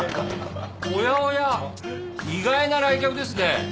おやおや意外な来客ですね。